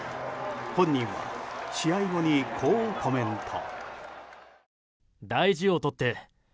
本人は試合後にこうコメント。